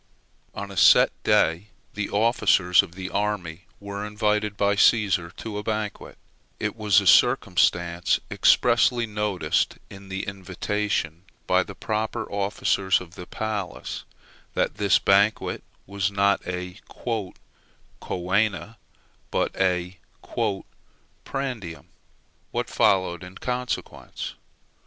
On a set day the officers of the army were invited by Cæsar to a banquet; it was a circumstance expressly noticed in the invitation, by the proper officers of the palace, that the banquet was not a "coena," but a "prandium." What followed, in consequence?